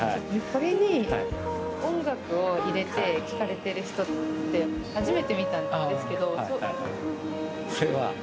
これに音楽を入れて聴かれてる人って初めて見たんですけど。